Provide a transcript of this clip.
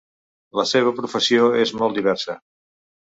La seva professió és molt diversa.